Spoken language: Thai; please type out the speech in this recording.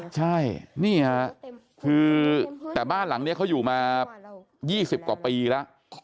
ใช่นี้คือแต่บ้านหลังเรามันอยู่เยี่ยมกว่าปีละ